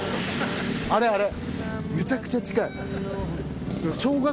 あれあれ。